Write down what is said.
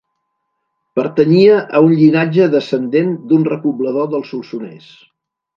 Pertanyia a un llinatge descendent d'un repoblador del Solsonès.